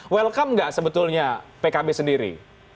welcome nggak sebetulnya pkb sendiri